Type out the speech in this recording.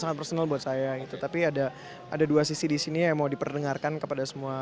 sangat personal buat saya gitu tapi ada ada dua sisi disini yang mau diperdengarkan kepada semua